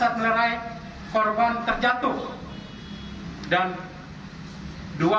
dan dua orang melakukan pembacokan dengan penggunakan celurit